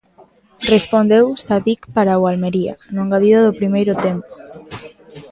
Respondeu Sadiq para o Almería, no engadido do primeiro tempo.